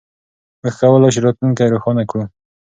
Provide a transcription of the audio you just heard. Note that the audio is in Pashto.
موږ کولای شو راتلونکی روښانه کړو.